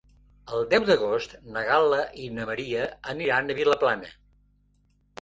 El deu d'agost na Gal·la i na Maria aniran a Vilaplana.